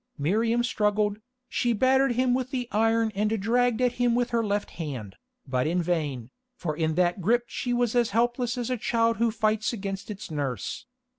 Miriam struggled, she battered him with the iron and dragged at him with her left hand, but in vain, for in that grip she was helpless as a child who fights against its nurse.